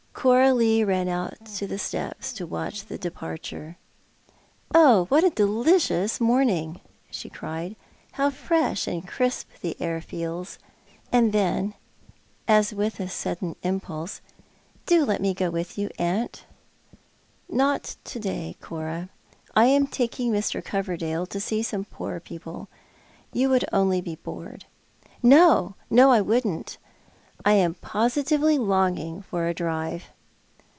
Coralie ran out to the steps to watch the departure. " Oh, what a delicious morning," she cried. " How fresli and e^x\^> the air feels," and then, as with a sudden impulse, " Do Jet me go with you, Aunt." " Not to day, Cora. I am taking ]\Ir. Coverdale to see some poor people. You would only be bored." " No, no, I wouldn't. I am positively longing for a drive."